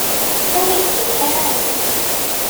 Ur ak-d-tuqiɛ ara.